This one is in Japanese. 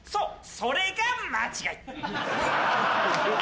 それが間違い。